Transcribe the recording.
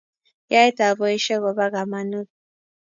Yaet ab boishet koba kamanut